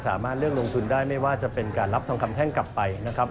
สามารถเลือกลงทุนได้ไม่ว่าจะเป็นการรับทองคำแท่งกลับไปนะครับ